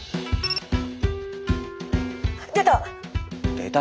出た！